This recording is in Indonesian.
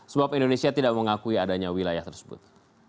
sebab indonesia tidak mengakui adanya wilayah tersebut